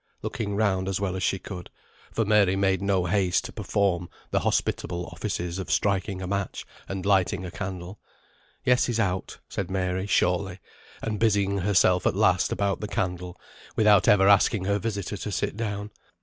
looking round as well as she could; for Mary made no haste to perform the hospitable offices of striking a match, and lighting a candle. "Yes, he's out," said Mary, shortly, and busying herself at last about the candle, without ever asking her visitor to sit down.